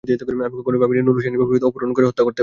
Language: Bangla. আমি কখনোই ভাবিনি, নূর হোসেন এভাবে অপহরণ করে হত্যা করতে পারে।